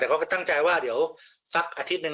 แต่เขาก็ตั้งใจว่าเดี๋ยวสักอาทิตย์หนึ่ง